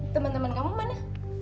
teman teman kamu mana